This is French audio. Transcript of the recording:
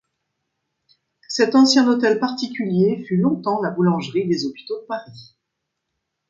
Cet ancien hôtel particulier fut longtemps la boulangerie des Hôpitaux de Paris.